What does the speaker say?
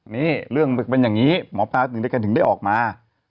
นี่เรื่องมันเป็นอย่างนี้หมอปลาถึงด้วยกันถึงได้ออกมา